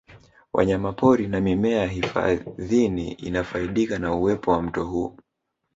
Wanyamapori na mimea hifadhini inafaidika na uwepo wa mto huu